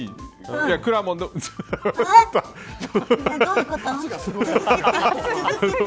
どういうこと。